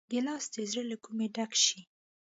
ګیلاس د زړه له کومي ډک شي.